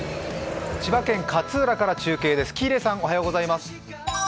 千葉県・勝浦から中継です。